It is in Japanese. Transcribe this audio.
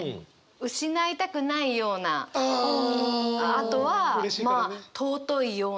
あとはまあ「尊いような」。